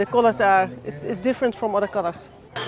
tapi warna warna itu berbeda dari warna lain